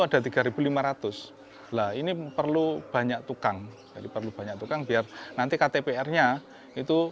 ada tiga ribu lima ratus lah ini perlu banyak tukang jadi perlu banyak tukang biar nanti ktpr nya itu